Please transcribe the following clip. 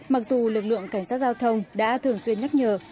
mặc dù lực lượng cảnh sát giao thông đã thường xuyên nhắc nhở